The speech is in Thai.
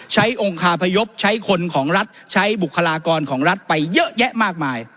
องค์คาพยพใช้คนของรัฐใช้บุคลากรของรัฐไปเยอะแยะมากมาย